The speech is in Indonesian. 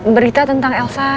berita tentang elsa